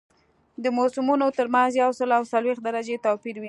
د موسمونو ترمنځ یو سل او څلوېښت درجې توپیر وي